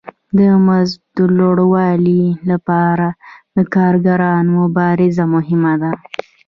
د مزد د لوړوالي لپاره د کارګرانو مبارزه مهمه ده